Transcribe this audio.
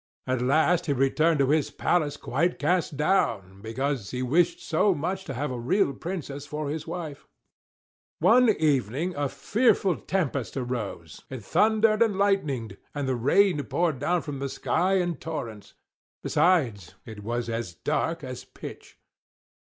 At last he returned to his palace quite cast down, because he wished so much to have a real Princess for his wife. One evening a fearful tempest arose, it thundered and lightened, and the rain poured down from the sky in torrents: besides, it was as dark as pitch.